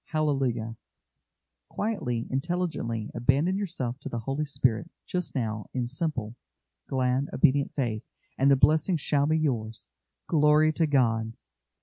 Hallelujah!" Quietly, intelligently, abandon yourself to the Holy Spirit just now in simple, glad, obedient faith, and the blessing shall be yours. Glory to God!